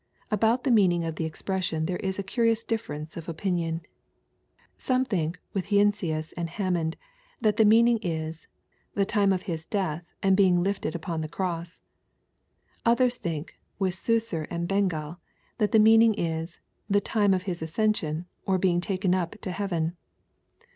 About the meaning of the expression there is a curious difference of opinion. Some think, with Heinsius and Hammond, that the meaning is^ ''the time of his death, and being lifted up upon the cross." Others think, with Suicer and Bengel, that the meaning is^ " the time of his ascension, or being taken up to heaven."